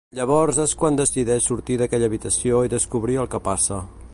Llavors és quan decideix sortir d'aquella habitació i descobrir el que passa.